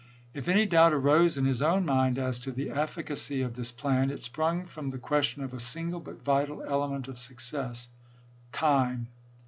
If any doubt arose in his own mind as to the efficacy of this plan it sprung from the ques tion of a single but vital element of success — time.